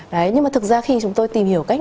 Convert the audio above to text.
đấy nhưng mà thực ra khi chúng tôi tìm hiểu cách